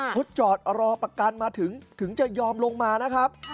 เขาจอดรอประกันมาถึงจะยอมลงมานะครับ